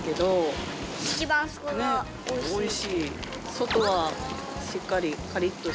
外はしっかりカリっとしてるけど。